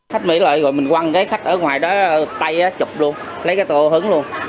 khách mỉ lợi rồi mình quăng cái khách ở ngoài đó tay chụp luôn lấy cái tô hứng luôn